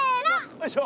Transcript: よいしょ！